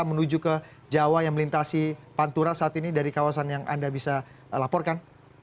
menuju ke jawa yang melintasi pantura saat ini dari kawasan yang anda bisa laporkan